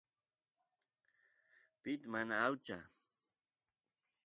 pit mana aucha